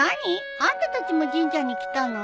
あんたたちも神社に来たの？